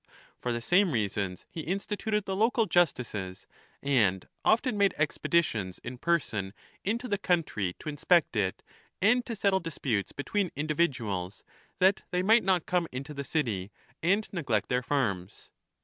For the same reasons he instituted the local justices, 1 and often made expeditions in person into the country to inspect it and to settle disputes between individuals, that they might not come into the city and neglect their farms.